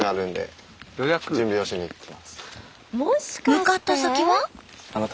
向かった先は。